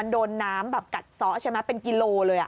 มันโดนน้ำแบบกัดเซาะใช่ไหมเป็นกิโลเลยอ่ะ